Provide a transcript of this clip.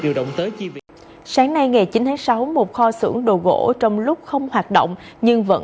điều động tới chi viện sáng nay ngày chín tháng sáu một kho xưởng đồ gỗ trong lúc không hoạt động nhưng vẫn